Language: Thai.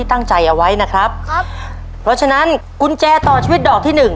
คุณแจสองดอกนะครับมีเวลาขายทั้งสิ้นดอกละยี่สิบวินาที